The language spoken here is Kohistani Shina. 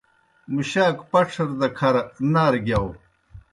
مُشاک پَڇَھر دہ کھر نارہ گِیاؤ۔